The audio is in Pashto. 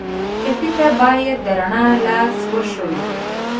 ټپي ته باید د رڼا لار وښیو.